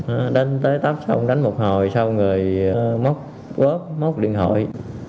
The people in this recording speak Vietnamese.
nó đánh tới tắp xong đánh một hồi xong rồi móc góp móc điện hội